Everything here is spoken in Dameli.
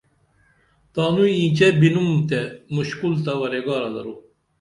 تانوئی اینچے بِنُم تے مُشکُلتہ ورے گارہ درو